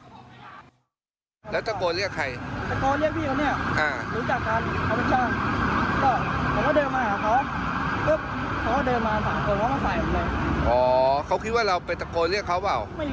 มองหน้าผมผมขีดน้ำตู่เข้ามาไงแล้วเขาก็ลงมาใส่ผมเลย